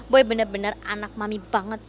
boy bener bener anak mami banget